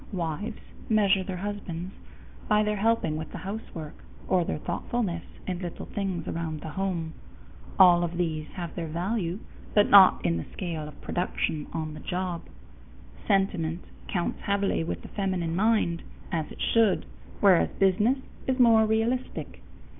Wives measure their husbands by their helping with the housework or their thoughtfulness in little things around the home; all of these have their value, but not in the scale of production on the job. Sentiment counts heavily with the feminine mind, as it should, whereas business is more realistic.